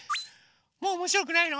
もうおもしろくないの？